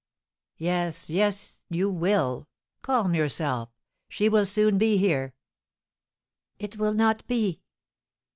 "Yes, yes, you will. Calm yourself; she will soon be here." "It will not be!